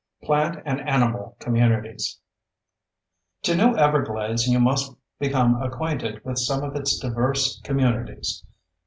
PLANT AND ANIMAL COMMUNITIES To know Everglades, you must become acquainted with some of its diverse communities.